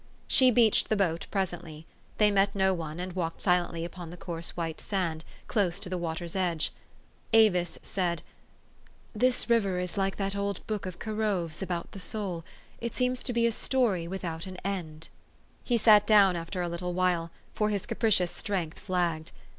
She beached the boat presently. They met no one, and walked silently upon the coarse white sand, close to the water's edge. Avis said, " This river is like that old book of Carove's, about the soul. It seems to be a story without an end." He sat down after a little while ; for his capricious strength flagged.